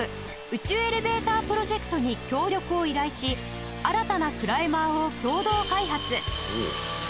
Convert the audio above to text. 宇宙エレベータープロジェクトに協力を依頼し新たなクライマーを共同開発